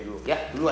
dulu dulu ya